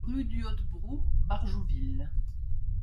Rue du Hotbrou, Barjouville